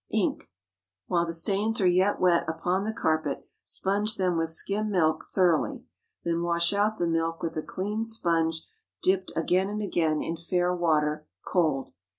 INK. While the stains are yet wet upon the carpet, sponge them with skim milk thoroughly. Then wash out the milk with a clean sponge dipped again and again in fair water, cold.